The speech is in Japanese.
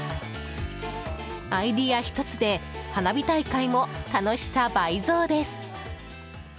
アイデアひとつで花火大会も楽しさ倍増です。